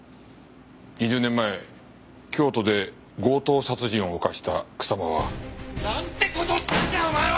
２０年前京都で強盗殺人を犯した草間は。なんて事したんだお前は！